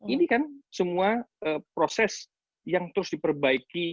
ini kan semua proses yang terus diperbaiki